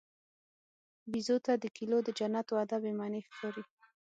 بیزو ته د کیلو د جنت وعده بېمعنی ښکاري.